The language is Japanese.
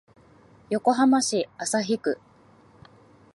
横浜市旭区